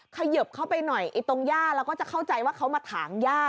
เขยิบเข้าไปหน่อยไอ้ตรงย่าเราก็จะเข้าใจว่าเขามาถางย่า